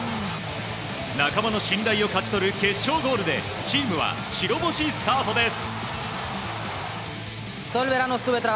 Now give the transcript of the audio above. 仲間の信頼を勝ち取る決勝ゴールでチームは白星スタートです！